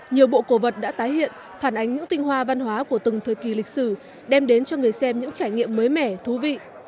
nhiều bộ cổ vật đã tái hiện phản ánh những tinh hoa văn hóa của từng thời kỳ lịch sử đem đến cho người xem những trải nghiệm mới mẻ thú vị